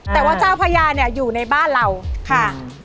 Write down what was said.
แต่ว่าเจ้าพญาเนี่ยอยู่ในบ้านเราค่ะ